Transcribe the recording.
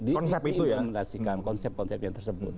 diimplementasikan konsep konsep yang tersebut